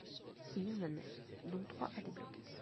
Il y en a neuf, dont trois à débloquer.